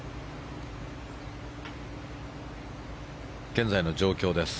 現在の状況です。